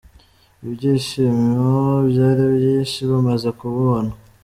Ibyishimo byari byinshi bamaze kumubona.